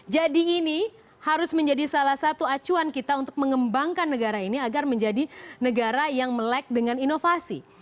jadi ini harus menjadi salah satu acuan kita untuk mengembangkan negara ini agar menjadi negara yang melek dengan inovasi